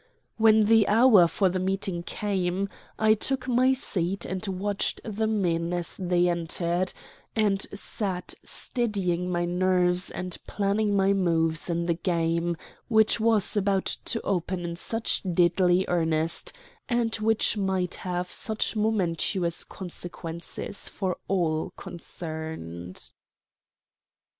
When the hour for the meeting came, I took my seat and watched the men as they entered; and sat steadying my nerves and planning my moves in the game which was about to open in such deadly earnest, and which might have such momentous consequences for all concerned.